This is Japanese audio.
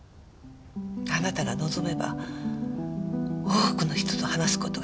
あなたが望めば多くの人と話す事ができる。